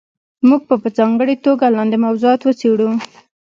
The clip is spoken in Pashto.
موږ به په ځانګړې توګه لاندې موضوعات وڅېړو.